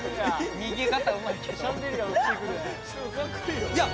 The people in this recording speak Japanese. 逃げ方うまいけど。